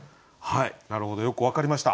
なるほどよく分かりました。